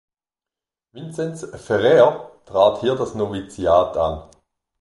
Vinzenz Ferrer trat hier das Noviziat an.